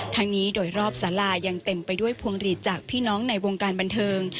นี้โดยรอบสารายังเต็มไปด้วยพวงหลีดจากพี่น้องในวงการบันเทิง